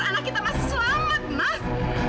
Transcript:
anak kita masih selamat mas